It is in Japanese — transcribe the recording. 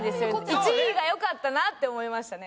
１位がよかったなって思いましたね。